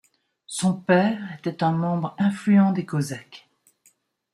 Son père était un membre influent des cosaques.